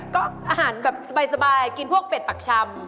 ก็อาหารแบบสบายกินพวกเป็ดปักชำ